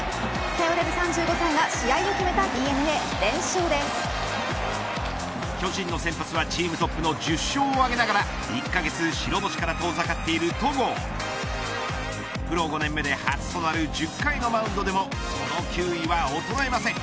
頼れる３５歳が試合を決めたＤｅＮＡ巨人の先発はチームトップの１０勝を挙げながら１カ月白星から遠ざかっている戸郷プロ５年目で初となる１０回のマウンドでもその球威はあなどれません。